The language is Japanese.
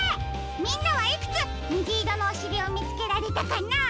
みんなはいくつにじいろのおしりをみつけられたかな？